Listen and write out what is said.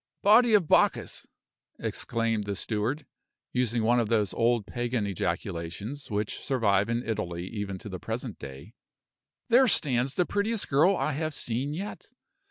"Body of Bacchus!" exclaimed the steward (using one of those old Pagan ejaculations which survive in Italy even to the present day), "there stands the prettiest girl I have seen yet.